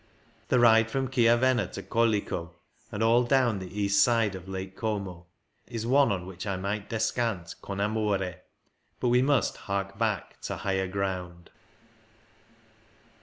The ride from Chiavenna to Colico, and all down the east side of Lake Como, is one on which I might descant con amore^ but we must hark back to higher ground.